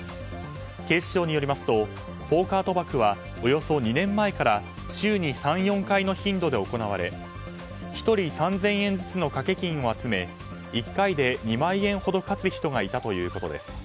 警視庁によりますとポーカー賭博はおよそ２年前から週に３４回の頻度で行われ１人３０００円ずつのかけ金を集め１回で２万円ほど勝つ人がいたということです。